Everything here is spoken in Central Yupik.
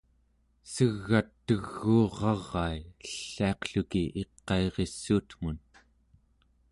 seg'at teguurarai elliaqluki iqairissuutmun